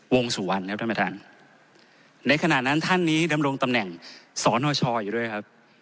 วงสุวรรณครับท่านประธานในขณะนั้นท่านนี้ดำรงตำแหน่งสนชอยู่ด้วยครับ